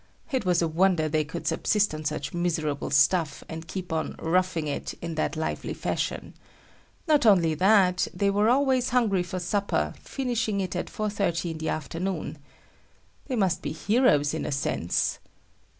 It was a wonder they could subsist on such miserable stuff and keep on "roughing it" in that lively fashion. Not only that, they were always hungry for supper, finishing it at 4.30 in the afternoon. They must be heroes in a sense.